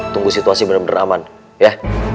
tunggu situasi bener bener aman ya